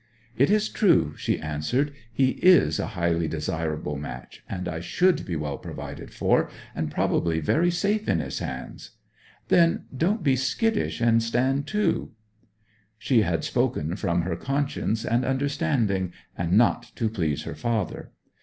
'It is true,' she answered. 'He is a highly desirable match, and I should be well provided for, and probably very safe in his hands.' 'Then don't be skittish, and stand to.' She had spoken from her conscience and understanding, and not to please her father.